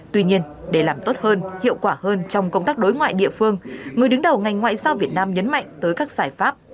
tuy nhiên để làm tốt hơn hiệu quả hơn trong công tác đối ngoại địa phương người đứng đầu ngành ngoại giao việt nam nhấn mạnh tới các giải pháp